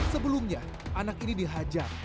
sebelumnya anak ini dihajar